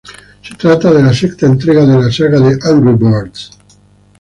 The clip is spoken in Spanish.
Se trata de la sexta entrega de la saga de "Angry Birds".